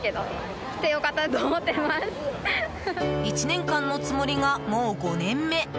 １年間のつもりが、もう５年目。